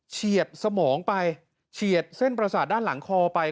เฉียดสมองไปเฉียดเส้นประสาทด้านหลังคอไป